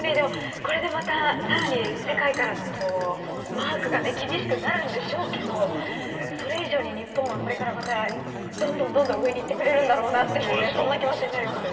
これで、また、さらに世界からのマークが厳しくなるんでしょうけどそれ以上に、日本はこれからまたどんどん上にいってくれるんだろうなというそんな気持ちになりますね。